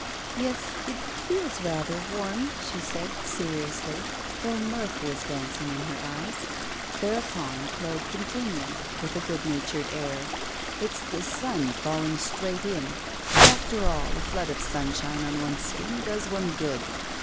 'Yes, it feels rather warm,' she said, seriously, though mirth was dancing in her eyes. Thereupon Claude continued, with a good natured air: 'It's the sun falling straight in; but, after all, a flood of sunshine on one's skin does one good.